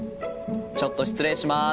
ちょっと失礼します。